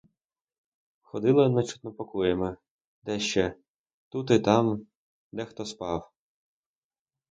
Ходила нечутно покоями, де ще — тут і там — дехто спав.